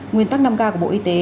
nguyên tắc năm k của bộ y tế